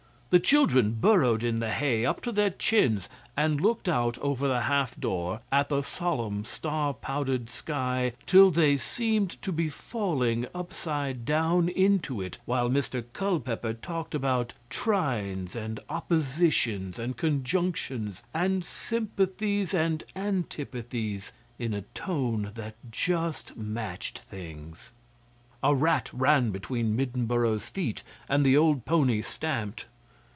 The children burrowed in the hay up to their chins, and looked out over the half door at the solemn, star powdered sky till they seemed to be falling upside down into it, while Mr Culpeper talked about 'trines' and 'oppositions' and 'conjunctions' and 'sympathies' and 'antipathies' in a tone that just matched things. A rat ran between Middenboro's feet, and the old pony stamped.